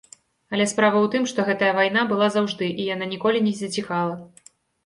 Але справа ў тым, што гэтая вайна была заўжды і яна ніколі не заціхала.